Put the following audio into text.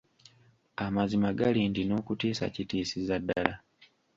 Amazima gali nti n’okutiisa kitiisiza ddala.